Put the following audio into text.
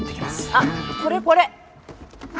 あっこれこれ。